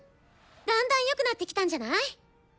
だんだんよくなってきたんじゃない？